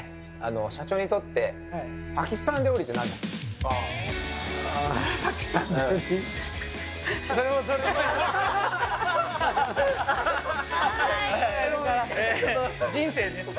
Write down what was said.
社長にとってパキスタン料理って何ですか？